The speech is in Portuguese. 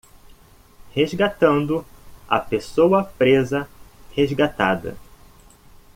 Resgatando a pessoa presa resgatada